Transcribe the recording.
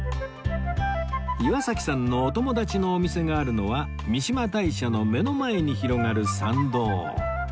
岩崎さんのお友達のお店があるのは三嶋大社の目の前に広がる参道